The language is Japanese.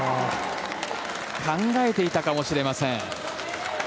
考えていたかもしれません。